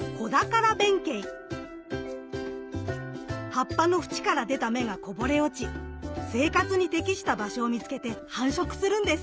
葉っぱの縁から出た芽がこぼれ落ち生活に適した場所を見つけて繁殖するんです。